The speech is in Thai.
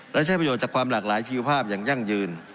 และใช้ประโยชน์จากความหลากหลายชีวภาพอย่างยั่งยืน